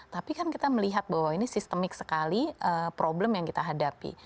tapi kan kita melihat bahwa ini sistemik sekali problem yang kita hadapi